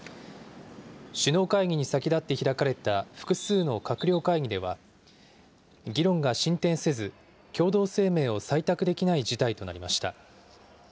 首脳会議に先立って開かれた複数の閣僚会議では、議論が進展せず、共同声明を採択できない事態となりました。